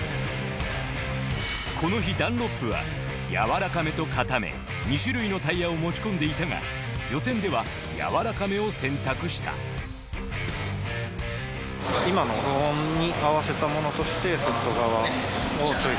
この日ダンロップは柔らかめと硬め２種類のタイヤを持ち込んでいたが予選では柔らかめを選択した天候はくもり。